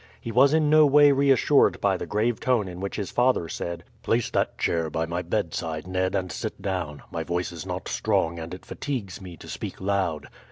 He was in no way reassured by the grave tone in which his father said: "Place that chair by my bedside, Ned, and sit down; my voice is not strong and it fatigues me to speak loud.